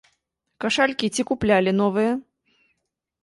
Кашалькі ці куплялі новыя?